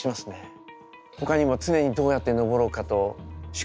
ほかにも常にどうやって登ろうかと思考が働いちゃって。